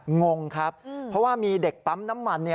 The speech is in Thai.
งงครับเพราะว่ามีเด็กปั๊มน้ำมัน